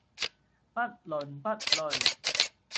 不倫不類